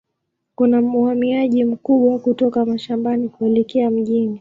Kuna uhamiaji mkubwa kutoka mashambani kuelekea mjini.